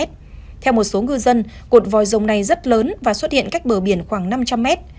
theo một số ngư dân cột vòi rồng này rất lớn và xuất hiện cách bờ biển khoảng năm trăm linh mét